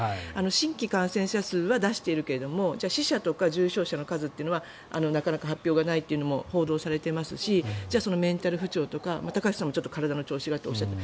新規感染者数は出しているけど死者、重症者の数はなかなか発表がないというのも報道されていますしそのメンタル不調とか高橋さんも体の調子がとおっしゃった。